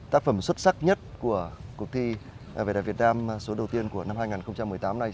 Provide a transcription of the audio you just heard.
đó là tác phẩm đặc biệt nhất của cuộc thi về đại việt nam số đầu tiên của năm hai nghìn một mươi tám này